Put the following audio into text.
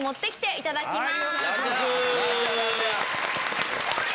いただきます。